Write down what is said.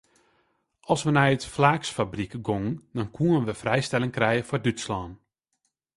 As we nei it flaaksfabryk gongen dan koenen we frijstelling krije foar Dútslân.